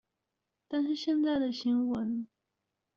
但是現在的新聞